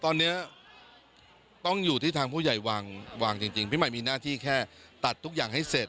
ตอนนี้ต้องอยู่ที่ทางผู้ใหญ่วางจริงพี่ใหม่มีหน้าที่แค่ตัดทุกอย่างให้เสร็จ